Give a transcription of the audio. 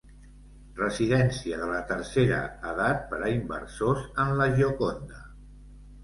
Residència de la tercera edat per a inversors en la Gioconda.